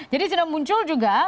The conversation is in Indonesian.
jadi sido muncul juga